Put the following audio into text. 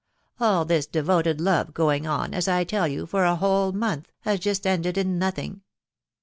All this devoted love, going on, as I tell you, for a whole month, has just ended in nothing.